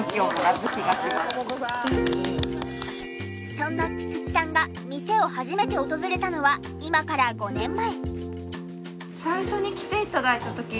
そんな菊池さんが店を初めて訪れたのは今から５年前。